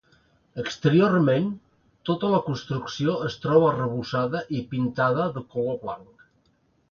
Exteriorment, tota la construcció es troba arrebossada i pintada de color blanc.